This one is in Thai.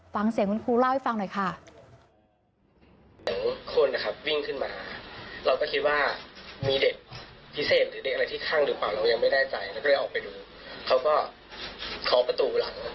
ฟังเสียงคุณครูเล่าให้ฟังหน่อยค่ะ